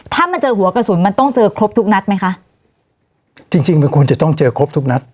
ถ้ามันเจอหัวกระสุนมันต้องเจอครบทุกนัดไหมคะจริงจริงมันควรจะต้องเจอครบทุกนัด